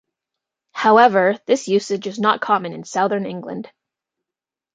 However this usage is not common in southern England.